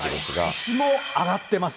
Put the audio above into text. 土地も上がってます。